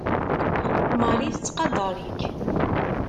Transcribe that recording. Marie tettqadar-ik.